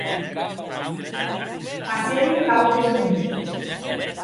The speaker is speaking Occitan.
Passèren quauques menutes.